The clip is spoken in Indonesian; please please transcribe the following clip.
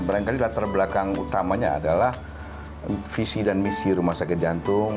barangkali latar belakang utamanya adalah visi dan misi rumah sakit jantung